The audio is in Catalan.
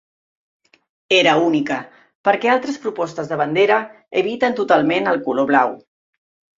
Era única, perquè altres propostes de bandera eviten totalment el color blau.